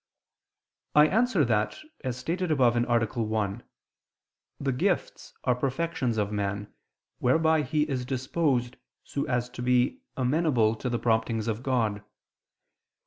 I answer that, As stated above (A. 1), the gifts are perfections of man, whereby he is disposed so as to be amenable to the promptings of God.